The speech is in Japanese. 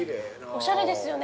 おしゃれですよね